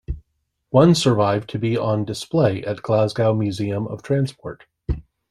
One survived to be on display at Glasgow Museum of Transport.